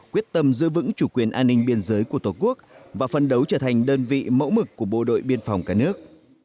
quyết tâm giữ vững chủ quyền an ninh biên giới của tổ quốc và phân đấu trở thành đơn vị mẫu mực của bộ đội biên phòng cả nước